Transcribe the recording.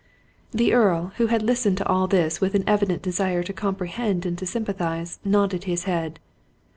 The Earl, who had listened to all this with an evident desire to comprehend and to sympathize, nodded his head.